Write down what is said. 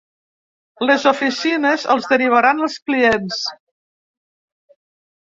Les oficines els derivaran els clients.